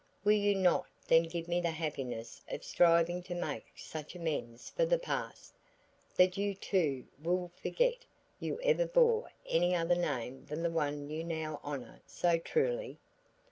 Will you not then give me the happiness of striving to make such amends for the past, that you too, will forget you ever bore any other name than the one you now honor so truly?"